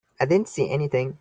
I didn't see anything.